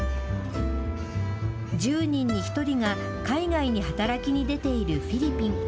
１０人に１人が海外に働きに出ているフィリピン。